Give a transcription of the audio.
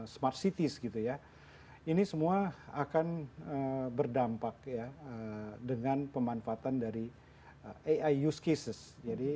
smart cities gitu ya ini semua akan berdampak ya dengan pemanfaatan dari ai use cases